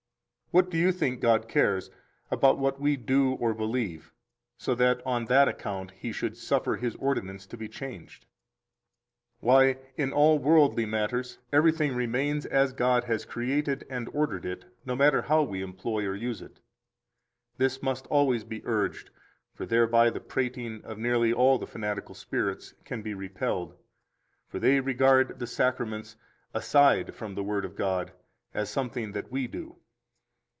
6 What do you think God cares about what we do or believe, so that on that account He should suffer His ordinance to be changed? Why, in all worldly matters every thing remains as God has created and ordered it, no matter how we employ or use it. 7 This must always be urged, for thereby the prating of nearly all the fanatical spirits can be repelled. For they regard the Sacraments, aside from the Word of God, as something that we do.